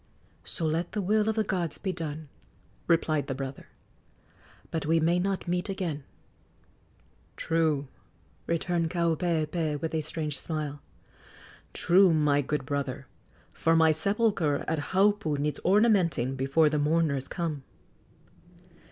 "So let the will of the gods be done!" replied the brother. "But we may not meet again." "True," returned Kaupeepee, with a strange smile "true, my good brother, for my sepulchre at Haupu needs ornamenting before the mourners come."